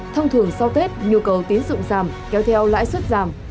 thông thường sau tết nhu cầu tín dụng giảm kéo theo lãi suất giảm